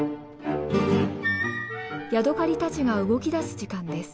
ヤドカリたちが動きだす時間です。